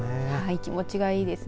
気持ちがいいですね。